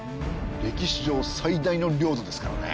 歴史上最大の領土ですからね。